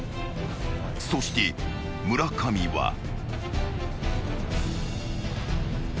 ［そして村上は］